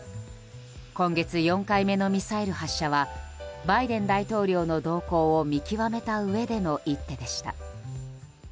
今月４回目のミサイル発射はバイデン大統領の動向を見極めたうえでの一手でした。